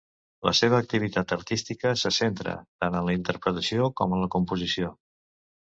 La seva activitat artística se centra tant en la interpretació com en la composició.